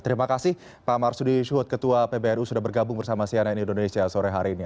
terima kasih pak marsudi syuhud ketua pbnu sudah bergabung bersama cnn indonesia sore hari ini